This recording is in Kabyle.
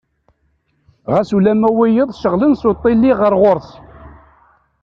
Ɣas ulamma wiyaḍ cceɣlen s uṭili ɣer ɣur-s.